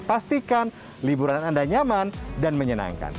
pastikan liburan anda nyaman dan menyenangkan